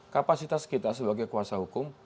kapasitas kita sebagai kuasa hukum